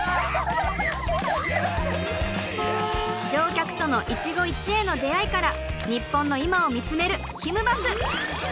乗客との一期一会の出会いから日本の今を見つめるひむバス！